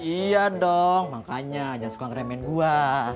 iya dong makanya aja suka ngeremeh gue